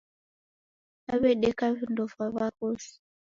Naw'edeka vindo va w'aghosi.